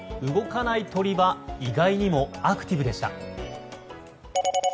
動かない鳥は意外にもアクティブでした。